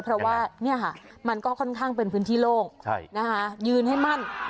เพราะว่ามันก็ค่อนข้างเป็นพื้นที่โล่งยืนให้มั่น